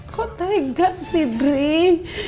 kok tegan sih dree